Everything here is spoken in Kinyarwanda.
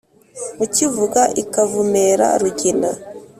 Ukivuga ikavumera Rugina.